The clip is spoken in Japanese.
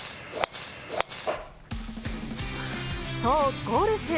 そう、ゴルフ。